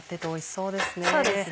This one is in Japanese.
そうですね。